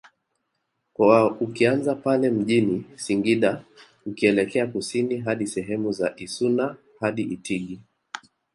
kwa ukianzia pale mjini Singida ukielekea Kusini hadi sehemu za Issuna hadi Itigi